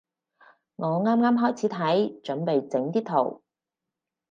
我啱啱開始睇，準備整啲圖